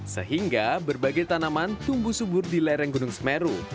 sehingga berbagai tanaman tumbuh subur di lereng gunung semeru